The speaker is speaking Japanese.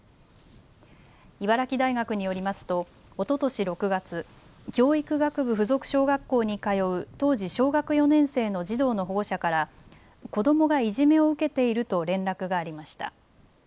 茨城大学によりますと、おととし６月、教育学部附属小学校に通う当時小学４年生の児童の保護者から、子どもがいじめを受けていると連絡がありました。